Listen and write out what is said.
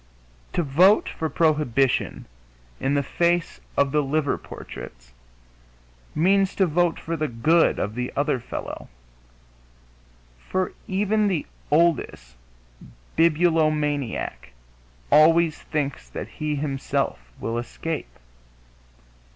To vote for prohibition in the face of the liver portraits means to vote for the good of the other fellow, for even the oldest bibulomaniac always thinks that he himself will escape.